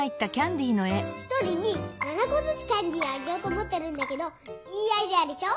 １人に７こずつキャンディーをあげようと思ってるんだけどいいアイデアでしょ。